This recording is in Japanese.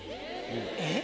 えっ？